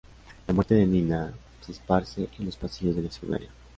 La muerte de Nina se esparce en los pasillos de la secundaria.